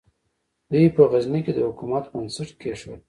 دوی په غزني کې د حکومت بنسټ کېښود.